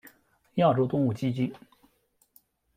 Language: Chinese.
亚洲动物基金。